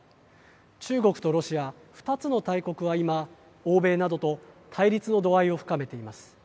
中国とロシア、２つの大国は今欧米などと対立の度合いを深めています。